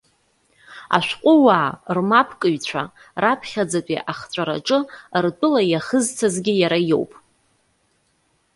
Ашәҟәыуаа рмапкыҩцәа, раԥхьаӡатәи ахҵәараҿы ртәыла иахызцазгьы иара иоуп.